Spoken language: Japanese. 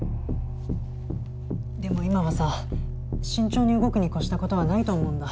でも今はさ慎重に動くに越した事はないと思うんだ。